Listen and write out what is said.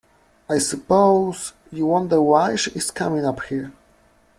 I suppose you wonder why she is coming up here.